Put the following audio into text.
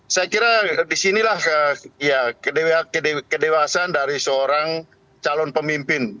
saya kira di sinilah ya kedewasan dari seorang calon pemimpin